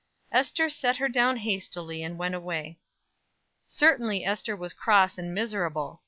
Ester set her down hastily, and went away. Certainly Ester was cross and miserable.